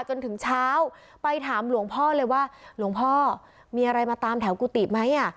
จนถึงเช้าไปถามหลวงพ่อเลยว่าหลวงพ่อมีอะไรมาตามแถวกุฏิไหมอ่ะ